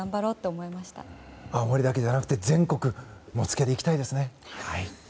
思うだけじゃなくて全国もつけでいきたいですね。